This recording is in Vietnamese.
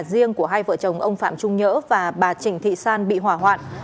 riêng của hai vợ chồng ông phạm trung nhớ và bà trịnh thị san bị hỏa hoạn